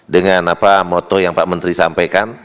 dengan moto yang pak menteri sampaikan